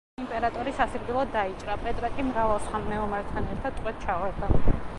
იმპერატორი სასიკვდილოდ დაიჭრა, პეტრე კი, მრავალ სხვა მეომართან ერთად, ტყვედ ჩავარდა.